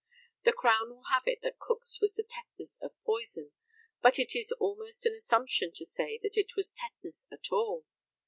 The Crown will have it that Cook's was the tetanus of poison, but it is almost an assumption to say that it was tetanus at all.